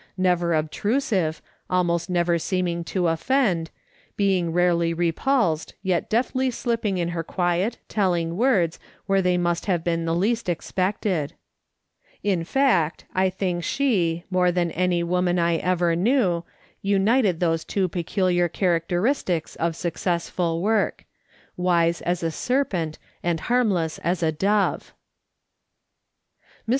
Never obtrusive, almost never seeming to offend, being rarely repulsed, yet deftly slipping in her quiet, telling words where they must have been least ex pected. In fact, I think she, more than any woman I ever knew, united those two peculiar characteristics of successful work :" Wise as a serpent, and harmless as a dove." Mr.